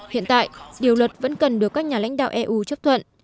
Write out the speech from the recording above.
hiện tại điều luật vẫn cần được các nhà lãnh đạo eu chấp thuận